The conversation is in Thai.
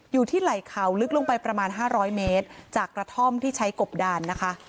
อยู่ที่ไหล่เขาลึกลงไปประมาณ๕๐๐เมตรจากกระท่อมที่ใช้กบดานนะคะ